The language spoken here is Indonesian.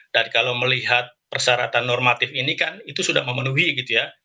dan kalau melihat persyaratan normatif ini kan itu sudah memenuhi gitu ya